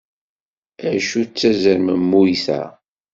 Acu d tazermemmuyt-a?